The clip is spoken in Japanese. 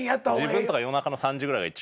自分とか夜中３時ぐらいが一番。